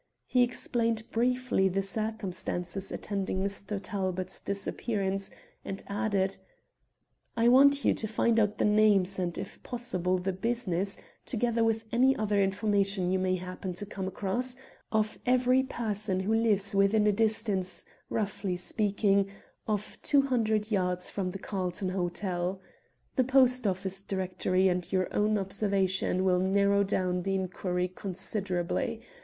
He explained briefly the circumstances attending Mr. Talbot's disappearance, and added "I want you to find out the names, and if possible the business together with any other information you may happen to come across of every person who lives within a distance, roughly speaking, of two hundred yards from the Carlton Hotel. The Post Office Directory and your own observation will narrow down the inquiry considerably.